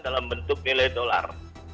dalam bentuk nilai dolar